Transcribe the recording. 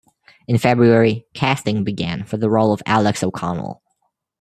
In February, casting began for the role of Alex O'Connell.